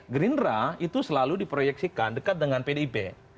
gerindra itu selalu diproyeksikan dekat dengan pdip